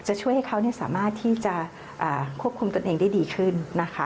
ช่วยให้เขาสามารถที่จะควบคุมตนเองได้ดีขึ้นนะคะ